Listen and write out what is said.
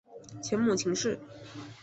前母秦氏。